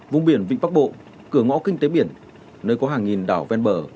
vùng biển vịnh bắc bộ cửa ngõ kinh tế biển nơi có hàng nghìn đảo ven bờ